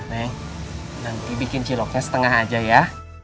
nah nanti bikin ciloknya setengah aja ya